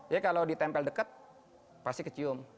jadi kalau ditempel dekat pasti kecium